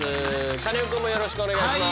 カネオくんもよろしくお願いします。